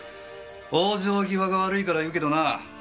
往生際が悪いから言うけどなあ。